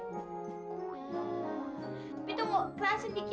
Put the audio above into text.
tapi tunggu kerasin dikit